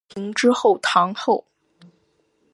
和平之后堂后。